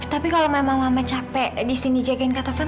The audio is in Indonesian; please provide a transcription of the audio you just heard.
tapi kalau memang mama capek disini jagain kak taufan